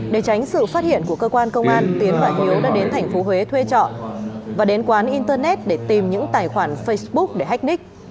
để tránh sự phát hiện của cơ quan công an tiến và hiếu đã đến thành phố huế thuê trọ và đến quán internet để tìm những tài khoản facebook để hack nick